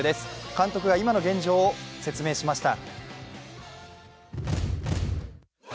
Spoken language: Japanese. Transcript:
監督が今の現状を説明しました。